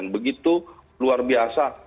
begitu luar biasa